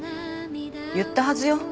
言ったはずよ。